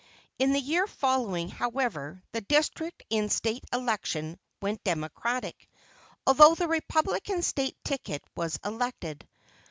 In the year following, however, the district in State election went democratic, although the republican State ticket was elected.